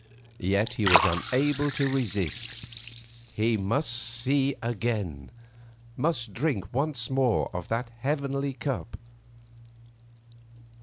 Yet he was unable to resist, he must see again, must drink once more of that heavenly cup.